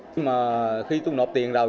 nhưng mà khi tôi nộp tiền rồi